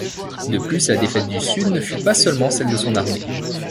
De plus, la défaite du Sud ne fut pas seulement celle de son armée.